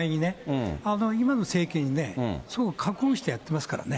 今の政権、すごく覚悟してやってますからね。